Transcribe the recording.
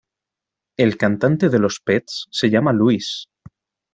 El cantante de los Pets se llama Luís.